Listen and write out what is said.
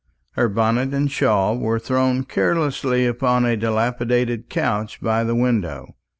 Her bonnet and shawl were thrown carelessly upon a dilapidated couch by the window.